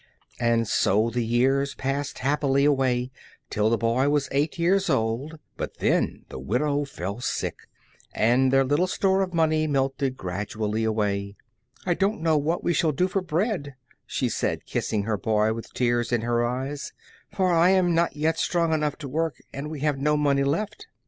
And so the years passed happily away till the boy was eight years old, but then the widow fell sick, and their little store of money melted gradually away. "I don't know what we shall do for bread," she said, kissing her boy with tears in her eyes, "for I am not yet strong enough to work, and we have no money left."